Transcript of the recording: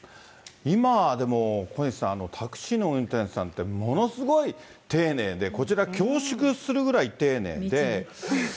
今、でも、小西さん、タクシーの運転手さんって、ものすごい丁寧で、こちら恐縮するくらい丁寧で。